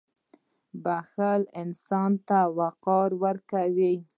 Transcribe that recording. • بښل انسان ته وقار ورکوي.